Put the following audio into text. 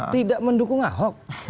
tidak mendukung ahok